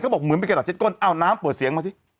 บอกเหมือนเป็นกระดาษเจ็ดก้นเอาน้ำเปิดเสียงมาสิ